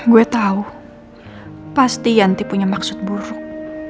gue tahu pasti yanti punya maksud buruk